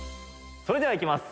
それではいきます。